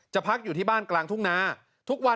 จะพักอยู่ที่บ้านกลางทุ่งนา